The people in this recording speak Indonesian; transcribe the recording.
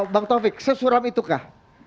bang taufik sesuram itukah